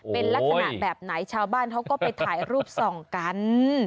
เป็นลักษณะแบบไหนชาวบ้านเขาก็ไปถ่ายรูปส่องกัน